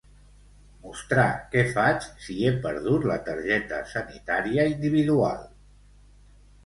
Mostrar què faig si he perdut la Targeta Sanitària Individual.